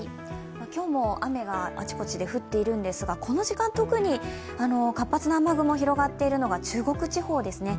今日も雨があちこちで降っているんですが、この時間、特に活発な雨雲が広がっているのが中国地方ですね。